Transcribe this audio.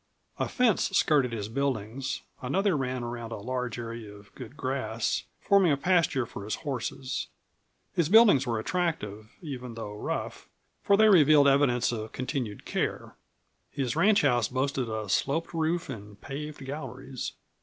A fence skirted his buildings, another ran around a large area of good grass, forming a pasture for his horses. His buildings were attractive, even though rough, for they revealed evidence of continued care. His ranchhouse boasted a sloped roof and paved galleries.